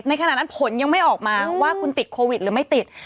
ขณะนั้นผลยังไม่ออกมาว่าคุณติดโควิดหรือไม่ติด